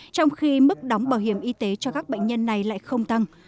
trong khi mức đóng bảo hiểm y tế cho các bệnh nhân này lại không tăng